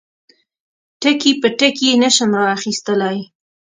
ټکي په ټکي یې نشم را اخیستلای.